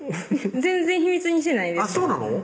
全然秘密にしてないですそうなの？